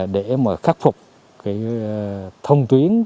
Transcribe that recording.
để khắc phục thông tuyến